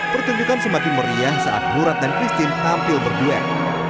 pertunjukan semakin meriah saat murad dan christine tampil berduet